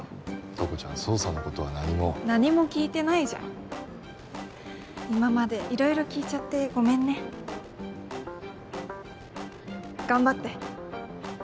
東子ちゃん捜査のことは何も何も聞いてないじゃん今まで色々聞いちゃってごめんね頑張って！